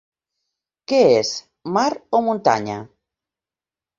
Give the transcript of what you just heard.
Què és, mar o muntanya?